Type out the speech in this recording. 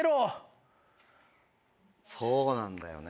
そうなんだよね。